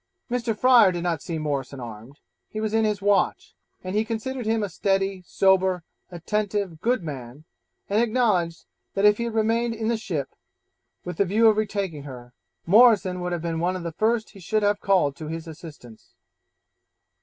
Mr. Fryer did not see Morrison armed; he was in his watch, and he considered him a steady, sober, attentive, good man; and acknowledged, that if he had remained in the ship, with the view of retaking her, Morrison would have been one of the first he should have called to his assistance.